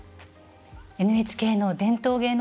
ＮＨＫの伝統芸能